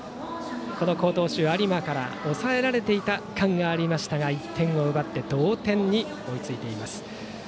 この好投手、有馬から抑えられていた感がありましたが１点を奪って同点に追いついています。